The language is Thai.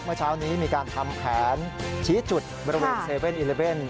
เมื่อเช้านี้มีการทำแผนชี้จุดบริเวณ๗๑๑